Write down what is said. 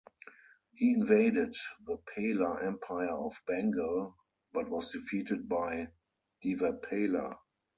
He invaded the Pala Empire of Bengal, but was defeated by Devapala.